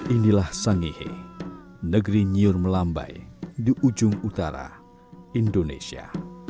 inilah sangihe negeri nyiur melambai di ujung utara indonesia